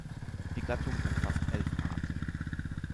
Die Gattung umfasst elf Arten.